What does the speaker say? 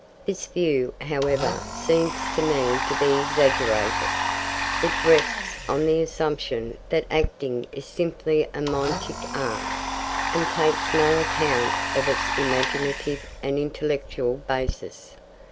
This view, however, seems to me to be exaggerated. It rests on the assumption that acting is simply a mimetic art, and takes no account of its imaginative and intellectual basis.